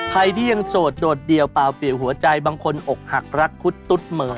ใครที่ยังโสดโดดเดี่ยวเปล่าเปลี่ยนหัวใจบางคนอกหักรักคุดตุ๊ดเหมือ